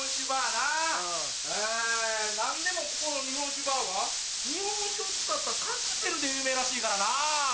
なんでもここの日本酒バーは日本酒を使ったカクテルで有名らしいからな！